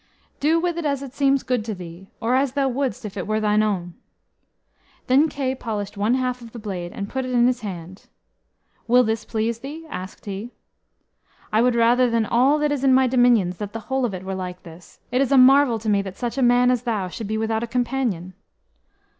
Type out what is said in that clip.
"Do with it as it seems good to thee, or as thou wouldst if it were thine own." Then Kay polished one half of the blade, and put it in his hand. "Will this please thee?" asked he. "I would rather than all that is in my dominions that the whole of it were like this. It is a marvel to me that such a man as thou should be without a companion."